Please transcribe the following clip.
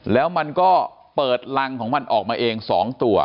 แล้วมันก็เปิดรังของมันออกมาเอง๒ตัว